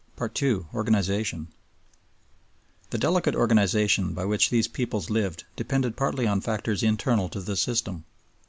II. Organization The delicate organization by which these peoples lived depended partly on factors internal to the system.